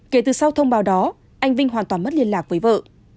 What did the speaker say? kể từ sau thông báo đó anh vinh hoàn toàn mất liên lạc với vợ